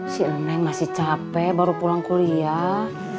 si neng masih capek baru pulang kuliah